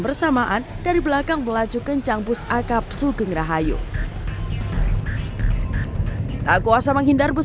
bersamaan dari belakang melaju kencang bus akap sugeng rahayu tak kuasa menghindar bus